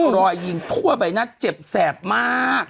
รอยยิงทั่วไปนะเจ็บแสบมาก